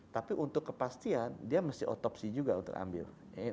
tapi untuk kepastian dia mesti otopsi juga untuk ambil